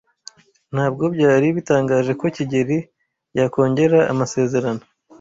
Ntabwo byari bitangaje ko kigeli yakongera amasezerano,